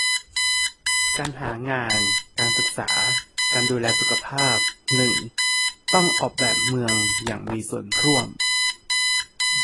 การหางาน การศึกษา การดูแลสุขภาพ หนึ่ง ต้องออกแบบเมืองอย่างมีส่วนร่วม